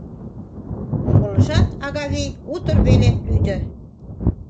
Умылышат, Агавий утыр веле лӱдӧ.